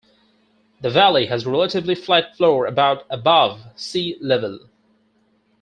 The valley has a relatively flat floor about above sea level.